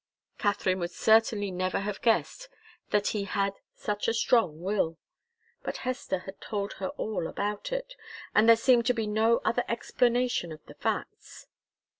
Katharine would certainly never have guessed that he had such a strong will, but Hester had told her all about it, and there seemed to be no other explanation of the facts.